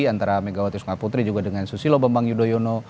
antara megawati sukaputri juga dengan susilo bambang yudhoyono